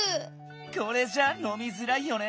これじゃあのみづらいよね。